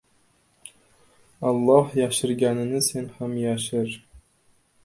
• Alloh yashirganini sen ham yashir.